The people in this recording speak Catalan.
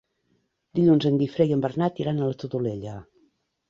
Dilluns en Guifré i en Bernat iran a la Todolella.